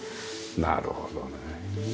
なるほどね。